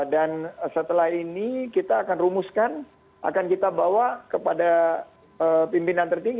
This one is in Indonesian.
dan setelah ini kita akan rumuskan akan kita bawa kepada pimpinan tertinggi